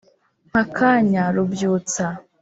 mpakanya rubyutsa